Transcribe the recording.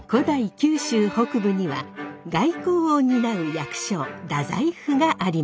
九州北部には外交を担う役所太宰府がありました。